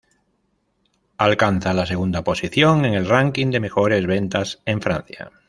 Alcanza la segunda posición en el ranking de mejores ventas en Francia.